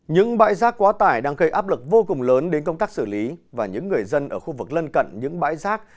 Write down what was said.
những bãi rác quá tải đang gây áp lực vô cùng lớn đến công tác xử lý và những người dân ở khu vực lân cận những bãi rác